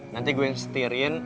nanti gue yang setirin